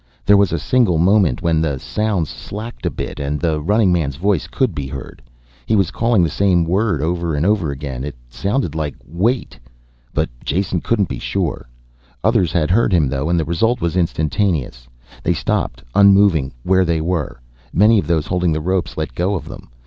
There was a single moment when the sounds slacked a bit and the running man's voice could be heard. He was calling the same word over and over again. It sounded like wait, but Jason couldn't be sure. Others had heard him though, and the result was instantaneous. They stopped, unmoving, where they were. Many of those holding the ropes let go of them.